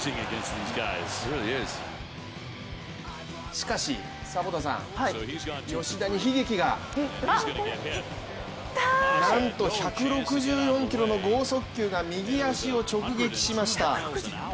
しかし、吉田に悲劇がなんと１６４キロの剛速球が右足を直撃しました。